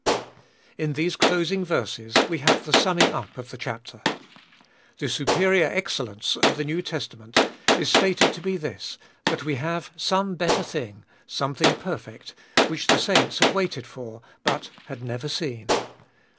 IN these closing verses we have the summing up of the chapter. The superior excellence of the New Testament is stated to be this, that we have some better thing, something perfect, which the saints had waited for but had never seen.